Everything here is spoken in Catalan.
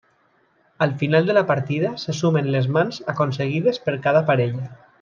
Al final de la partida se sumen les mans aconseguides per cada parella.